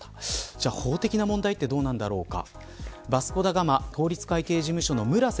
じゃあ、法的な問題はどうなんだろうか。